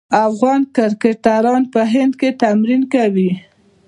افغان کرکټران په هند کې تمرین کوي.